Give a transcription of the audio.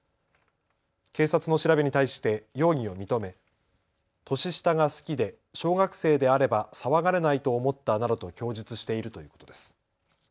警察の調べに対して容疑を認め年下が好きで小学生であれば騒がれないと思ったなどと供述しているということです。